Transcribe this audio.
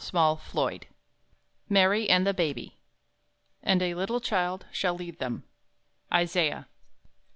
MARY AND THE BABY "And a little child shall lead them." _Isaiah.